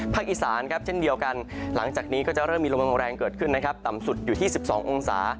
อีสานครับเช่นเดียวกันหลังจากนี้ก็จะเริ่มมีลมแรงเกิดขึ้นนะครับต่ำสุดอยู่ที่๑๒องศา